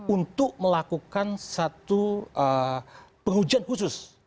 untuk melakukan satu pengujian khusus